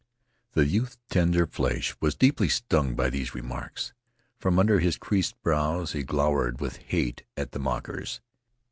The youth's tender flesh was deeply stung by these remarks. From under his creased brows he glowered with hate at the mockers.